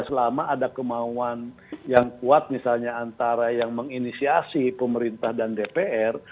selama ada kemauan yang kuat misalnya antara yang menginisiasi pemerintah dan dpr